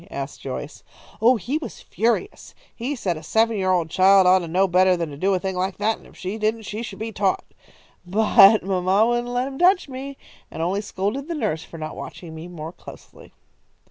asked Joyce. "Oh, he was furious! He said a seven year old child ought to know better than to do a thing like that, and if she didn't she should be taught. But mamma wouldn't let him touch me, and only scolded the nurse for not watching me more closely."